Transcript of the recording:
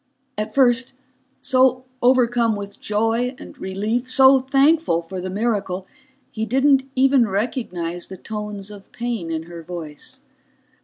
At first, so overcome with joy and relief, so thankful for the miracle, he didn't even recognize the tones of pain in her voice.